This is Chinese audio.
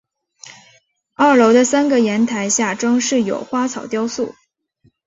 二楼的三个阳台下装饰有花草雕塑。